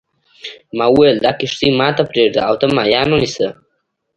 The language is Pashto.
ما وویل دا کښتۍ ما ته پرېږده او ته ماهیان ونیسه.